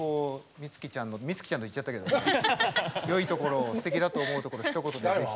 充希ちゃんって言っちゃったけどよいところすてきだと思うところひと言で、ぜひ。